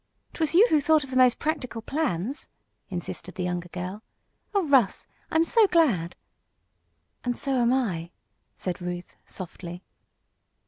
"'Twas you who thought of the most practical plans!" insisted the younger girl. "Oh, Russ! I'm so glad!" "And so am I," said Ruth, softly.